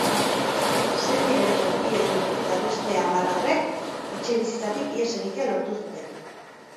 Sendi bereko bi helduk eta beste hamar haurrek etxebizitzatik ihes egitea lortu zuten.